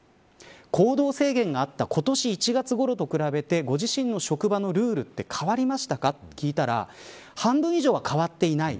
行動制限があった今年１月ごろと比べて、ご自身の職場のルールって変わりましたかと聞いたら半分以上は変わっていない。